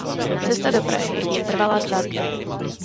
Cesta do Prahy jim trvala dva dny.